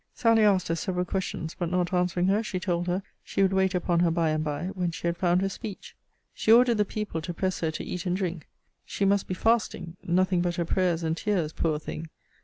Sally asked her several questions; but not answering her, she told her, she would wait upon her by and by, when she had found her speech. She ordered the people to press her to eat and drink. She must be fasting nothing but her prayers and tears, poor thing!